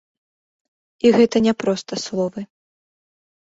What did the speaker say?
І гэта не проста словы.